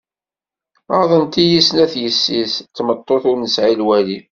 Ɣaḍent-iyi snat yessi-s, d tmeṭṭut ur nesɛi lwali.